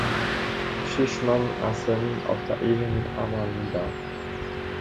Schischman Assen aus der Ehe mit Ana-Neda.